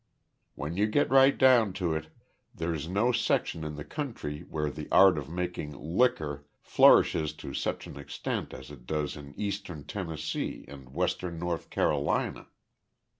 "When you get right down to it, there's no section in the country where the art of making 'licker' flourishes to such an extent as it does in eastern Tennessee and western North Carolina.